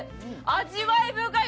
味わい深い。